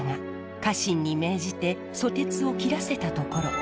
家臣に命じて蘇鉄を切らせたところ